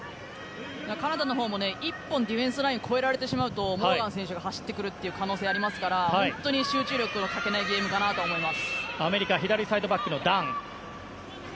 カナダのほうも一本ディフェンスラインを越えられてしまうとモーガン選手が走ってくる可能性ありますから本当に集中力が欠けないゲームだと思います。